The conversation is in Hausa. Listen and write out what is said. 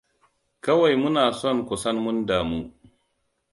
Kawai Muna son ku san mun damu.